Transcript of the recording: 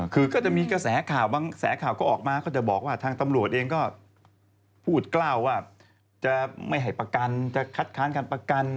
คือก็จะมีกระแสข่าวบางแสข่าวก็ออกมาก็จะบอกว่าทางตำรวจเองก็พูดกล้าวว่าจะไม่ให้ประกันจะคัดค้านการประกัน